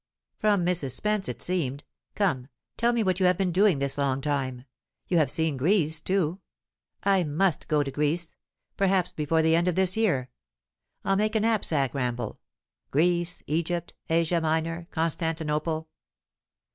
"From Mrs. Spence, it seemed. Come, tell me what you have been doing this long time. You have seen Greece too. I must go to Greece perhaps before the end of this year. I'll make a knapsack ramble: Greece, Egypt, Asia Minor, Constantinople."